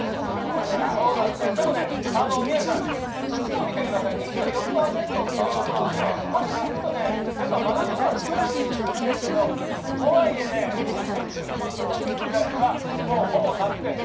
でもね、宮根さん、湿度見てください、２４％っていうことで、風が吹くとね、やっぱり真夏とは違う感じですけど、とはいえね、３４度の日ざしは、もうほぼ夏です。